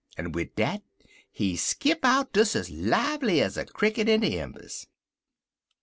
en wid dat he skip out des ez lively ez a cricket in de embers." V.